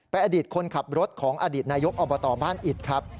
เป็นอดีตคนขับรถของอดีตนายกอบตบ้านอิตครับ